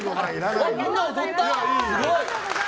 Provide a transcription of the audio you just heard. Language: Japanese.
みんな踊った！